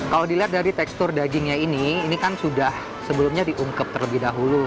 kalau dilihat dari tekstur dagingnya ini ini kan sudah sebelumnya diungkep terlebih dahulu